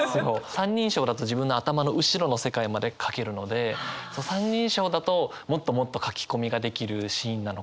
３人称だと自分の頭の後ろの世界まで書けるので３人称だともっともっと書き込みができるシーンなのかなって。